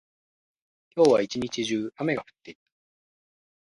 今日は一日中、雨が降っていた。